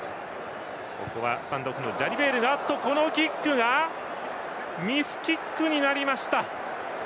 このキックがミスキックになりました。